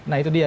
nah itu dia